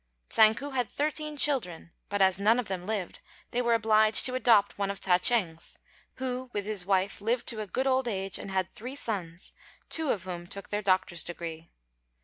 Tsang ku had thirteen children, but as none of them lived, they were obliged to adopt one of Ta ch'êng's, who, with his wife, lived to a good old age, and had three sons, two of whom took their doctor's degree.